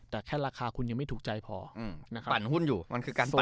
แต่แค่ราคาคุณยังไม่ถูกใจพอปั่นหุ้นอยู่คือการปั่นหุ้น